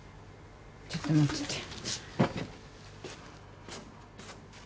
ちょっと待ってて。